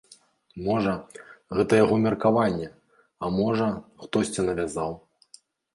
Можа, гэта яго меркаванне, а можа, хтосьці навязаў.